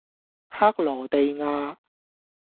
克羅地亞